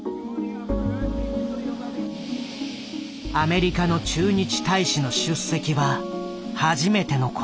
アメリカの駐日大使の出席は初めてのこと。